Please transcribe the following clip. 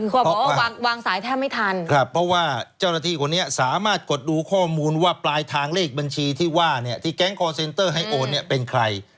เขาบอกว่าวางสายแทบไม่ทันครับเพราะว่าเจ้าหน้าที่คนนี้สามารถกดดูข้อมูลว่าปลายทางเลขบัญชีที่ว่าเนี่ยที่แก๊งคอร์เซ็นเตอร์ให้โอนเนี่ยเป็นใคร